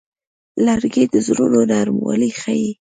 لرګی د زړونو نرموالی ښيي.